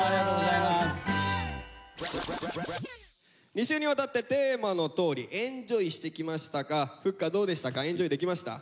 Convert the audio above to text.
２週にわたってテーマのとおりエンジョイしてきましたがフッカどうでしたか？